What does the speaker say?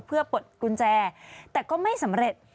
เพื่อปลดกุญแจแต่ก็ไม่สำเร็จ